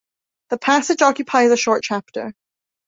The passage occupies a short chapter.